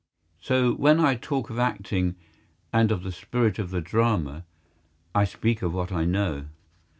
So when I talk of acting and of the spirit of the Drama, I speak of what I know.